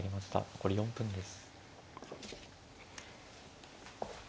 残り４分です。